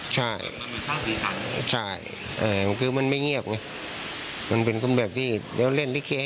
จากแบบมีความสีสันใช่มันก็ไม่เงียบนะมันเป็นคนแบบหรือยิ้มเล่นลิมาก